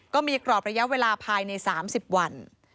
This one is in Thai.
ก็มีกรอบระยะเวลาภายใน๓๐วัน